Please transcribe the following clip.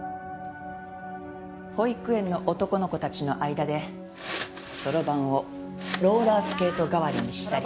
保育園の男の子たちの間でそろばんをローラースケート代わりにしたり。